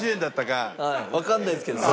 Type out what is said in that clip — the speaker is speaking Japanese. わかんないですけど。